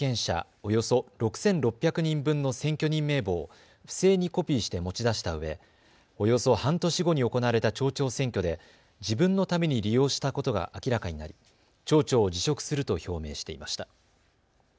およそ６６００人分の選挙人名簿を不正にコピーして持ち出したうえおよそ半年後に行われた町長選挙で自分のために利用したことが明らかになり町長を辞職すると表明していました。